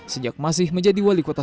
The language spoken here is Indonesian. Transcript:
sejak masih menjadi wali kota